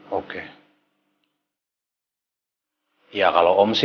yang saya percaya untuk menjaga rumah saya